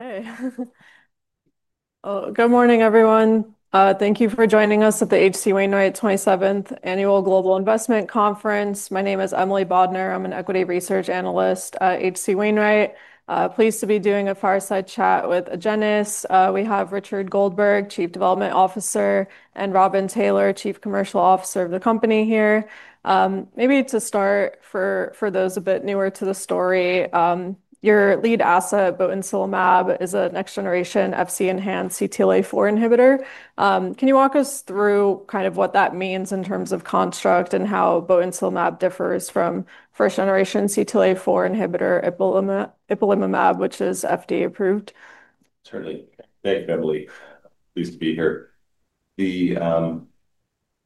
Good morning, everyone. Thank you for joining us at the HC Wainwright 27th Annual Global Investment Conference. My name is Emily Bodnar. I'm an Equity Research Analyst at HC Wainwright. Pleased to be doing a fireside chat with Agenus. We have Richard Goldberg, Chief Development Officer, and Robin Taylor, Chief Commercial Officer of the company here. Maybe to start, for those a bit newer to the story, your lead asset, Botensilimab, is a next-generation Fc-enhanced CTLA-4 inhibitor. Can you walk us through kind of what that means in terms of construct and how Botensilimab differs from first-generation CTLA-4 inhibitor ipilimumab, which is FDA approved? Certainly. Thank you, Emily. Pleased to be here. The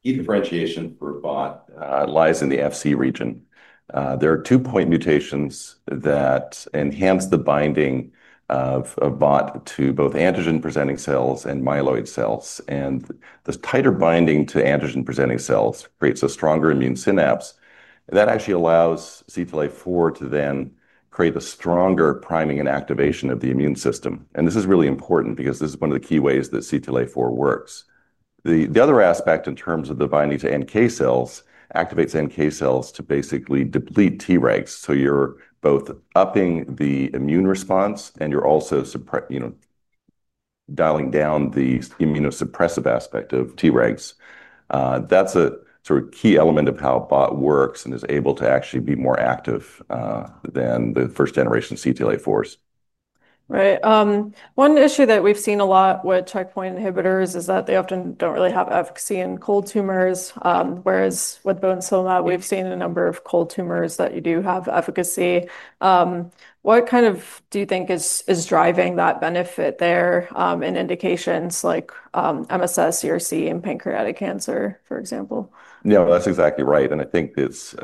key differentiation for BOT lies in the Fc region. There are two-point mutations that enhance the binding of BOT to both antigen-presenting cells and myeloid cells. This tighter binding to antigen-presenting cells creates a stronger immune synapse. That actually allows CTLA-4 to then create a stronger priming and activation of the immune system. This is really important because this is one of the key ways that CTLA-4 works. The other aspect in terms of the binding to NK cells activates NK cells to basically deplete T-regs. You're both upping the immune response and you're also dialing down the immunosuppressive aspect of T-regs. That's a sort of key element of how BOT works and is able to actually be more active than the first-generation CTLA-4s. Right. One issue that we've seen a lot with checkpoint inhibitors is that they often don't really have efficacy in cold tumors, whereas with Botensilimab, we've seen a number of cold tumors that you do have efficacy. What kind of do you think is driving that benefit there in indications like MSS CRC and pancreatic cancer, for example? Yeah, that's exactly right. I think what's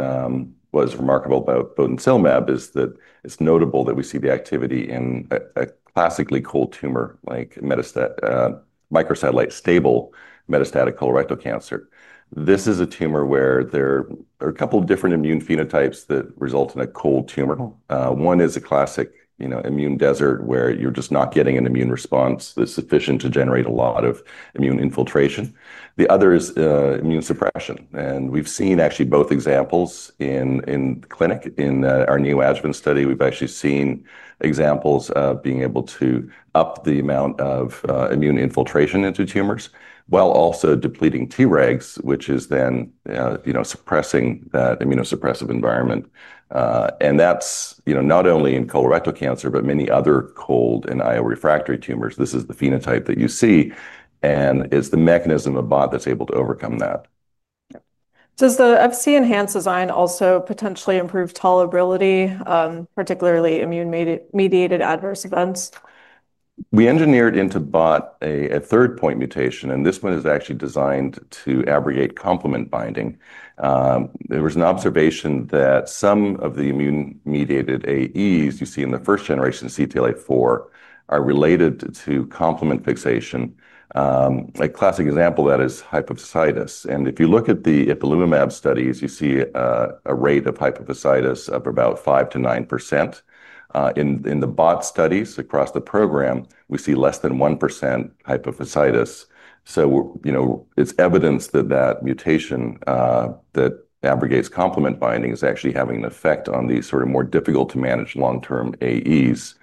remarkable about Botensilimab is that it's notable that we see the activity in a classically cold tumor, like microsatellite stable metastatic colorectal cancer. This is a tumor where there are a couple of different immune phenotypes that result in a cold tumor. One is a classic immune desert where you're just not getting an immune response that's sufficient to generate a lot of immune infiltration. The other is immune suppression. We've seen actually both examples in the clinic. In our neoadjuvant study, we've actually seen examples of being able to up the amount of immune infiltration into tumors while also depleting T-regs, which is then suppressing that immunosuppressive environment. That's not only in colorectal cancer, but many other cold and immunorefractory tumors. This is the phenotype that you see. It's the mechanism of BOT that's able to overcome that. Does the Fc-enhanced design also potentially improve tolerability, particularly immune-mediated adverse events? We engineered into BOT a third-point mutation. This one is actually designed to abrogate complement binding. There was an observation that some of the immune-mediated AEs you see in the first-generation CTLA-4 are related to complement fixation. A classic example of that is hypophysitis. If you look at the ipilimumab studies, you see a rate of hypophysitis of about 5% to 9%. In the BOT studies across the program, we see less than 1% hypophysitis. It is evidence that that mutation that abrogates complement binding is actually having an effect on these sort of more difficult-to-manage long-term AEs,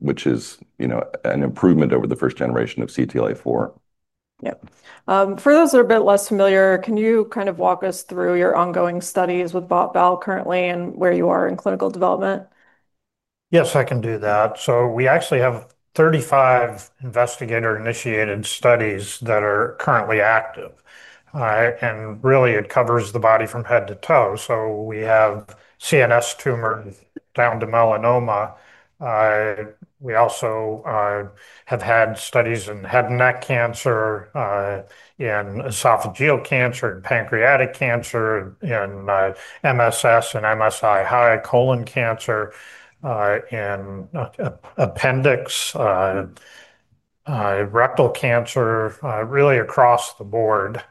which is an improvement over the first generation of CTLA-4. For those that are a bit less familiar, can you kind of walk us through your ongoing studies with BOT-BELL currently and where you are in clinical development? Yes, I can do that. We actually have 35 investigator-initiated studies that are currently active. It really covers the body from head to toe. We have CNS tumors down to melanoma. We also have had studies in head and neck cancer, in esophageal cancer, in pancreatic cancer, in MSS and MSI high colon cancer, in appendix, rectal cancer, really across the board.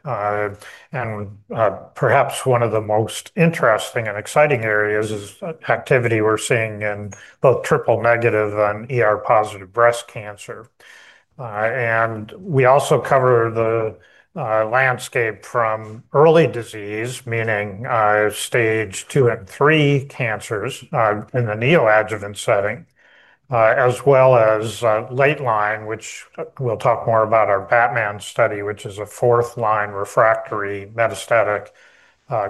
Perhaps one of the most interesting and exciting areas is activity we're seeing in both triple negative and positive breast cancer. We also cover the landscape from early disease, meaning stage two and three cancers in the neoadjuvant setting, as well as late line, which we'll talk more about, our Batman study, which is a fourth line refractory metastatic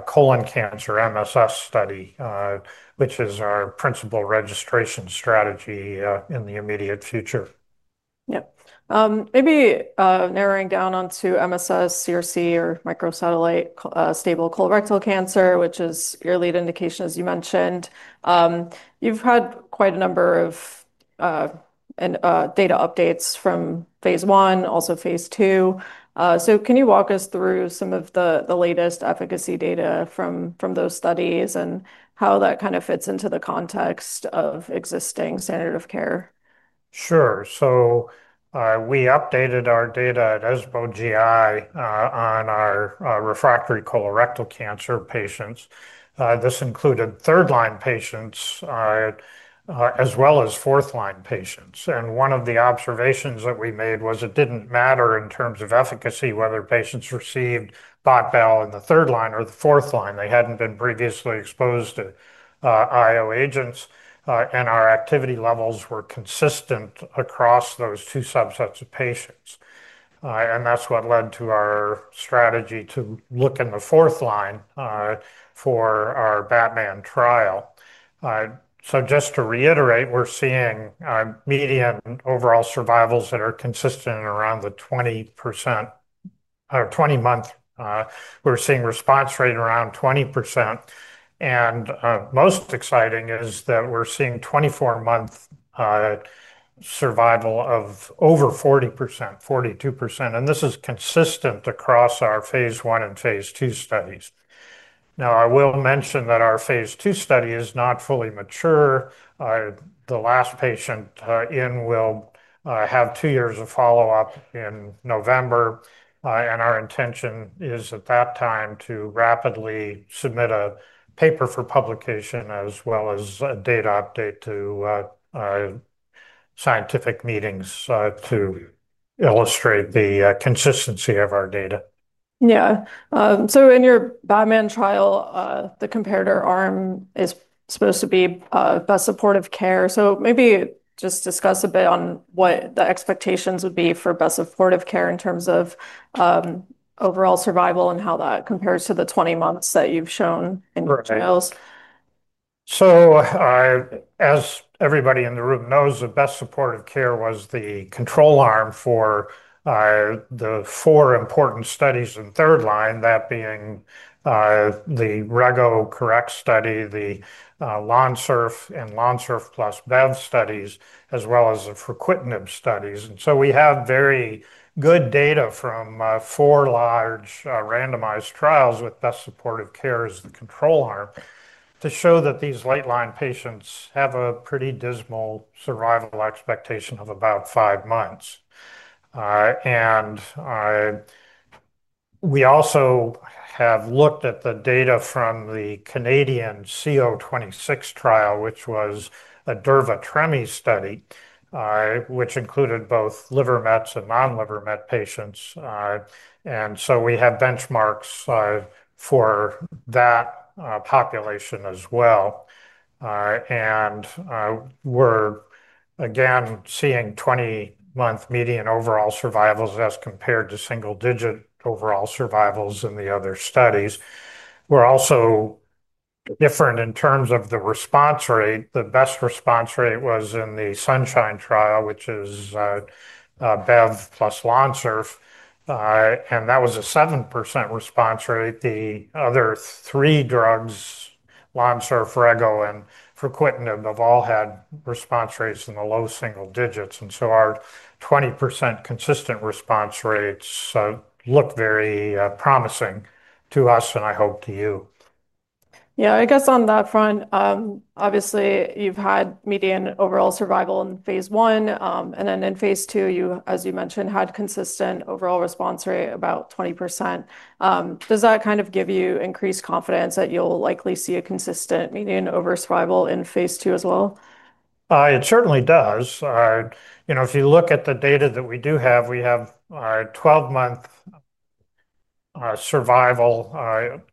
colon cancer MSS study, which is our principal registration strategy in the immediate future. Yeah. Maybe narrowing down onto MSS CRC, or microsatellite stable colorectal cancer, which is your lead indication, as you mentioned. You've had quite a number of data updates from phase 1, also phase 2. Can you walk us through some of the latest efficacy data from those studies and how that kind of fits into the context of existing standard of care? Sure. We updated our data at ESMO GI on our refractory colorectal cancer patients. This included third-line patients as well as fourth-line patients. One of the observations that we made was it didn't matter in terms of efficacy whether patients received BOT-BELL in the third line or the fourth line. They hadn't been previously exposed to IO agents. Our activity levels were consistent across those two subsets of patients. That's what led to our strategy to look in the fourth line for our Batman trial. Just to reiterate, we're seeing median overall survivals that are consistent in around the 20-month range. We're seeing response rate around 20%. Most exciting is that we're seeing 24-month survival of over 40%, 42%. This is consistent across our phase 1 and phase 2 studies. I will mention that our phase 2 study is not fully mature. The last patient in will have two years of follow-up in November. Our intention is at that time to rapidly submit a paper for publication as well as a data update to scientific meetings to illustrate the consistency of our data. In your Batman trial, the comparator arm is supposed to be best supportive care. Maybe just discuss a bit on what the expectations would be for best supportive care in terms of overall survival and how that compares to the 20 months that you've shown in trials. As everybody in the room knows, the best supportive care was the control arm for the four important studies in third line, that being the REGO CORRECT study, the Lonsurf, and Lonsurf plus Bev studies, as well as the FREQUITNIB studies. We have very good data from four large randomized trials with best supportive care as the control arm to show that these late line patients have a pretty dismal survival expectation of about five months. We also have looked at the data from the Canadian CO26 trial, which was a DERVA-TREMI study, which included both liver metastasis and non-liver metastasis patients. We have benchmarks for that population as well. We're again seeing 20-month median overall survivals as compared to single-digit overall survivals in the other studies. We're also different in terms of the response rate. The best response rate was in the SUNSHINE trial, which is Bev plus Lonsurf, and that was a 7% response rate. The other three drugs, Lonsurf, REGO, and FREQUITNIB, have all had response rates in the low single digits. Our 20% consistent response rates look very promising to us and I hope to you. Yeah, I guess on that front, obviously, you've had median overall survival in phase 1. In phase 2, you, as you mentioned, had consistent overall response rate about 20%. Does that kind of give you increased confidence that you'll likely see a consistent median overall survival in phase 2 as well? It certainly does. You know, if you look at the data that we do have, we have 12-month survival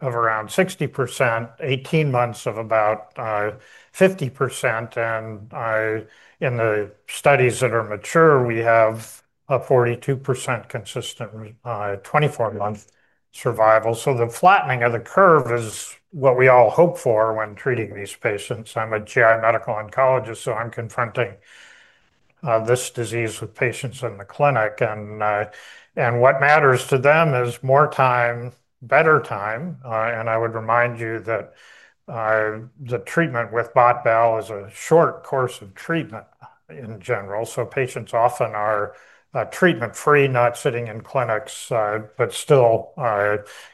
of around 60%, 18 months of about 50%. In the studies that are mature, we have a 42% consistent 24-month survival. The flattening of the curve is what we all hope for when treating these patients. I'm a GI Medical Oncologist, so I'm confronting this disease with patients in the clinic. What matters to them is more time, better time. I would remind you that the treatment with BOT-BELL is a short course of treatment in general. Patients often are treatment-free, not sitting in clinics, but still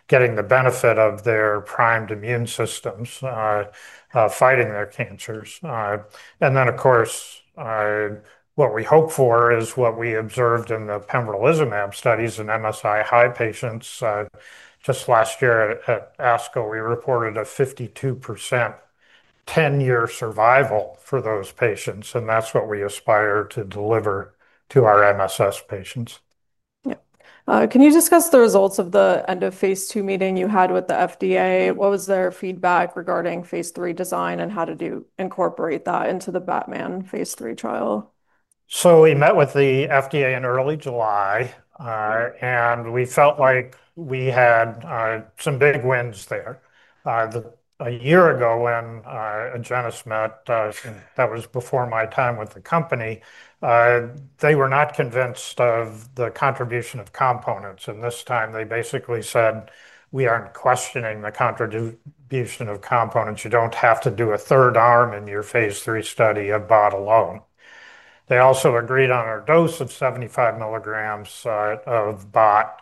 getting the benefit of their primed immune systems, fighting their cancers. Of course, what we hope for is what we observed in the pembrolizumab studies in MSI high patients. Just last year at ASCO, we reported a 52% 10-year survival for those patients. That's what we aspire to deliver to our MSS patients. Yeah. Can you discuss the results of the end of phase 2 meeting you had with the FDA? What was their feedback regarding phase 3 design and how to incorporate that into the Batman phase 3 trial? We met with the FDA in early July, and we felt like we had some big wins there. A year ago, when Agenus met, that was before my time with the company, they were not convinced of the contribution of components. This time, they basically said, we aren't questioning the contribution of components. You don't have to do a third arm in your phase 3 study of BOT alone. They also agreed on our dose of 75 milligrams of BOT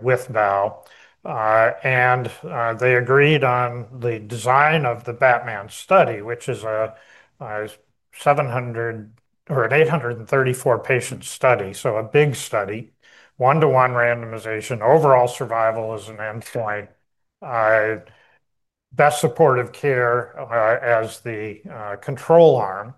with BELL, and they agreed on the design of the Batman study, which is an 834-patient study, so a big study, one-to-one randomization, overall survival as an endpoint, best supportive care as the control arm.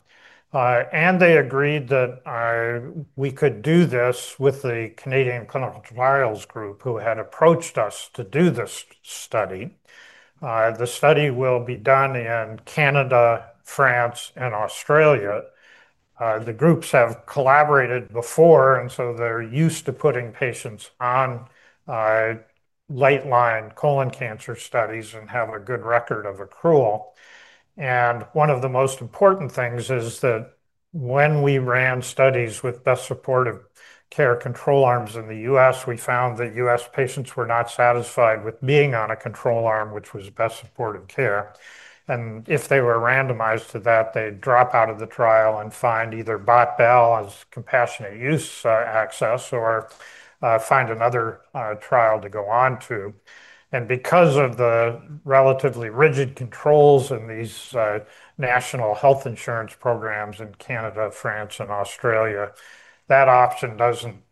They agreed that we could do this with the Canadian Clinical Trials Group, who had approached us to do this study. The study will be done in Canada, France, and Australia. The groups have collaborated before, and they're used to putting patients on late line colon cancer studies and have a good record of accrual. One of the most important things is that when we ran studies with best supportive care control arms in the U.S., we found that U.S. patients were not satisfied with being on a control arm, which was best supportive care. If they were randomized to that, they'd drop out of the trial and find either BOT-BELL as compassionate use access or find another trial to go on to. Because of the relatively rigid controls in these national health insurance programs in Canada, France, and Australia, that option doesn't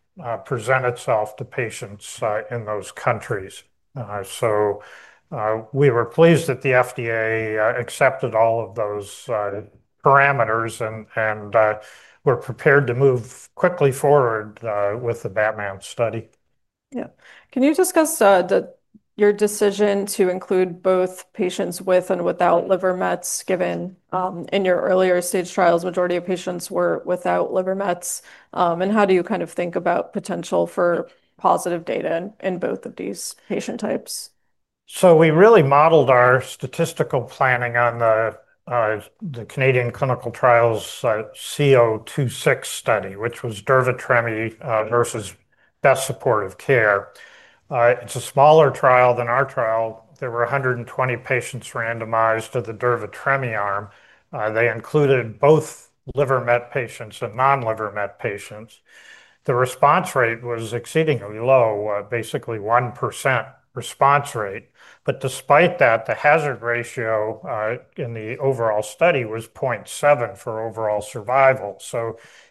present itself to patients in those countries. We were pleased that the FDA accepted all of those parameters and were prepared to move quickly forward with the Batman study. Yeah. Can you discuss your decision to include both patients with and without liver metastasis, given in your earlier stage trials, the majority of patients were without liver metastasis? How do you kind of think about potential for positive data in both of these patient types? We really modeled our statistical planning on the Canadian Clinical Trials Group CO26 study, which was DERVA-TREMI versus best supportive care. It's a smaller trial than our trial. There were 120 patients randomized to the DERVA-TREMI arm. They included both liver metastasis patients and non-liver metastasis patients. The response rate was exceedingly low, basically 1% response rate. Despite that, the hazard ratio in the overall study was 0.7 for overall survival.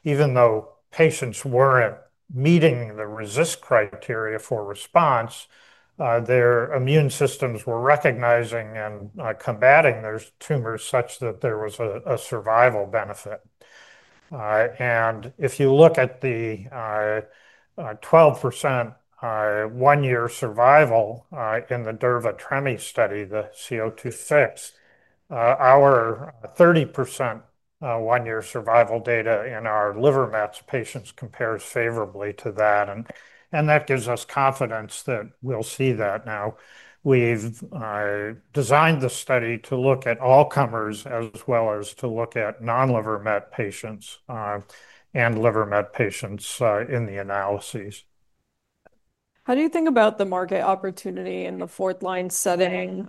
Even though patients weren't meeting the RECIST criteria for response, their immune systems were recognizing and combating those tumors such that there was a survival benefit. If you look at the 12% one-year survival in the DERVA-TREMI study, the CO26, our 30% one-year survival data in our liver metastasis patients compares favorably to that. That gives us confidence that we'll see that now. We've designed the study to look at all comers as well as to look at non-liver metastasis patients and liver metastasis patients in the analyses. How do you think about the market opportunity in the fourth line setting?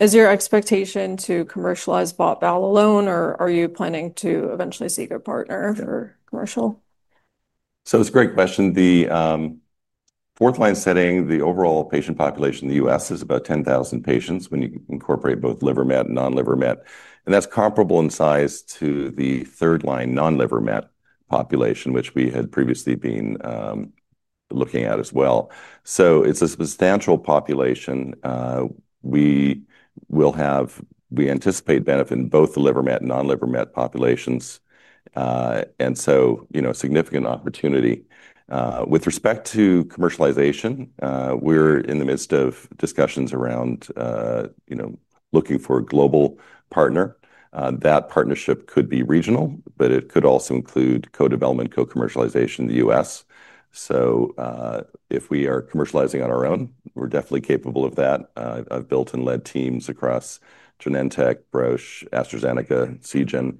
Is your expectation to commercialize BOT-BELL alone, or are you planning to eventually seek a partner for commercial? It's a great question. The fourth-line setting, the overall patient population in the U.S. is about 10,000 patients when you incorporate both liver MET and non-liver MET. That's comparable in size to the third-line non-liver MET population, which we had previously been looking at as well. It's a substantial population. We anticipate benefiting both the liver MET and non-liver MET populations, so a significant opportunity. With respect to commercialization, we're in the midst of discussions around looking for a global partner. That partnership could be regional, but it could also include co-development, co-commercialization in the U.S. If we are commercializing on our own, we're definitely capable of that. I've built and led teams across Genentech, Roche, AstraZeneca, Seagen,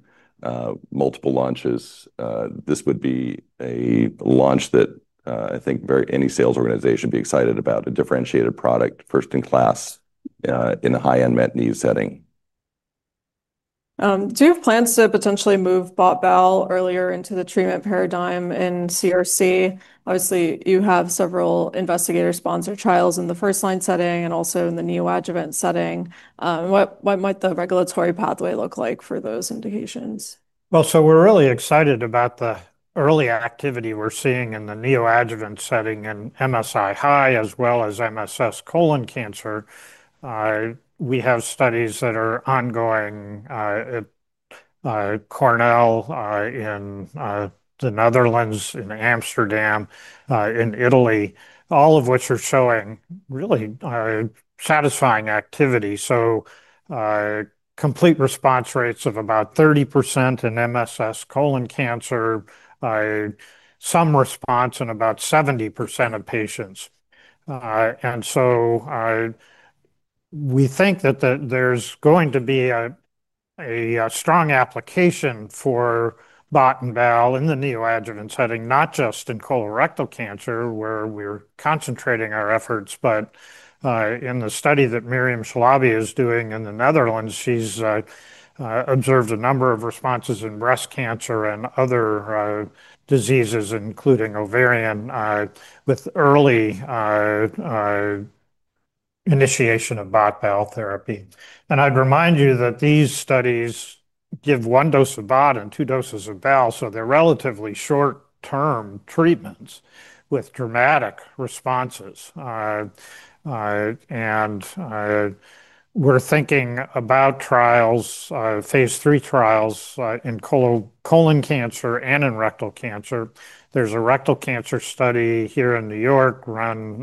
multiple launches. This would be a launch that I think any sales organization would be excited about, a differentiated product, first in class in a high-end MET need setting. Do you have plans to potentially move BOT-BELL earlier into the treatment paradigm in CRC? Obviously, you have several investigator-sponsored trials in the first-line setting and also in the neoadjuvant setting. What might the regulatory pathway look like for those indications? We're really excited about the early activity we're seeing in the neoadjuvant setting in MSI high as well as MSS colon cancer. We have studies that are ongoing at Cornell, in the Netherlands, in Amsterdam, in Italy, all of which are showing really satisfying activity. Complete response rates of about 30% in MSS colon cancer, some response in about 70% of patients. We think that there's going to be a strong application for BOT and BELL in the neoadjuvant setting, not just in colorectal cancer where we're concentrating our efforts, but in the study that Miriam Slaby is doing in the Netherlands, she's observed a number of responses in breast cancer and other diseases, including ovarian, with early initiation of BOT-BELL therapy. I'd remind you that these studies give one dose of BOT and two doses of BELL. They're relatively short-term treatments with dramatic responses. We're thinking about trials, phase 3 trials in colon cancer and in rectal cancer. There's a rectal cancer study here in New York run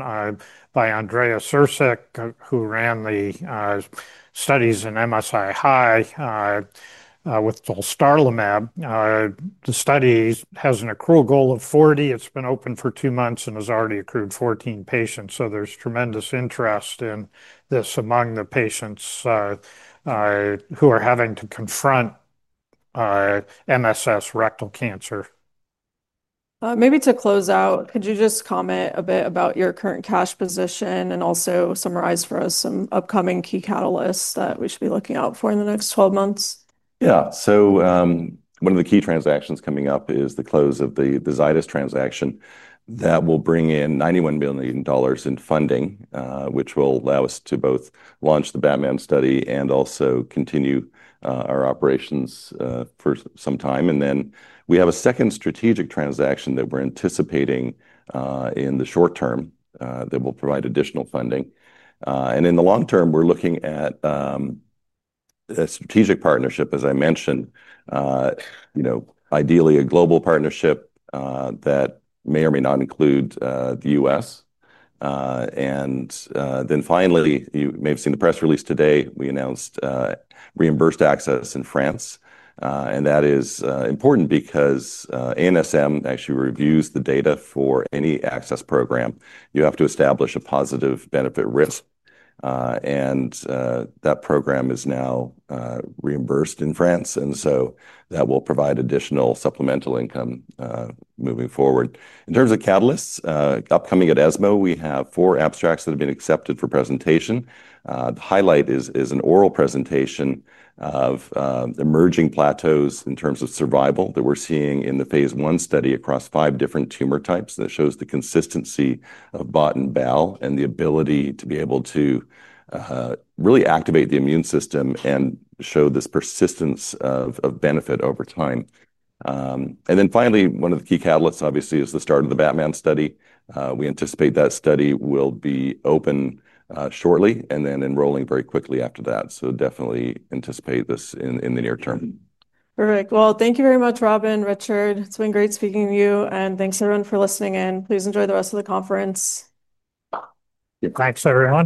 by Andrea Sersik, who ran the studies in MSI high with Valsartan. The study has an accrual goal of 40. It's been open for two months and has already accrued 14 patients. There's tremendous interest in this among the patients who are having to confront MSS rectal cancer. Maybe to close out, could you just comment a bit about your current cash position and also summarize for us some upcoming key catalysts that we should be looking out for in the next 12 months? Yeah. One of the key transactions coming up is the close of the Zydus Lifesciences transaction. That will bring in $91 million in funding, which will allow us to both launch the Batman trial and also continue our operations for some time. We have a second strategic transaction that we're anticipating in the short term that will provide additional funding. In the long term, we're looking at a strategic partnership, as I mentioned, ideally a global partnership that may or may not include the U.S. You may have seen the press release today, we announced reimbursed access in France. That is important because ANSM actually reviews the data for any access program. You have to establish a positive benefit risk. That program is now reimbursed in France, and that will provide additional supplemental income moving forward. In terms of catalysts, upcoming at ESMO, we have four abstracts that have been accepted for presentation. The highlight is an oral presentation of emerging plateaus in terms of survival that we're seeing in the phase 1 study across five different tumor types. It shows the consistency of Botensilimab and Balstilimab and the ability to be able to really activate the immune system and show this persistence of benefit over time. Finally, one of the key catalysts, obviously, is the start of the Batman trial. We anticipate that trial will be open shortly and then enrolling very quickly after that. Definitely anticipate this in the near term. Perfect. Thank you very much, Robin, Richard. It's been great speaking to you. Thanks, everyone, for listening in. Please enjoy the rest of the conference. Thanks, everyone.